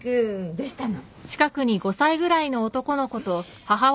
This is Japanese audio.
どうしたの？